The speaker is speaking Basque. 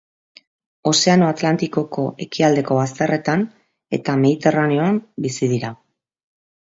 Ozeano Atlantikoko ekialdeko bazterretan eta Mediterraneoan bizi dira.